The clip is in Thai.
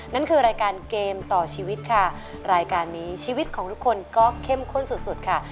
นั่นคือรายการเกมต่อชีวิตค่ะรายการนี้ชีวิตของทุกคนก็เข้มข้นสุดสุดค่ะ